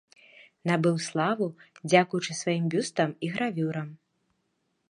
Набыў славу дзякуючы сваім бюстам і гравюрам.